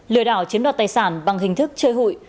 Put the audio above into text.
lừa đảo chiếm đoạt tài sản bằng hình thức chơi hụi